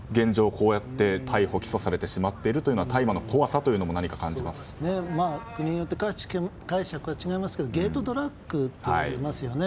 こうやって逮捕・起訴されてしまっている国によって解釈は違いますけどゲートドラッグと呼ばれますよね。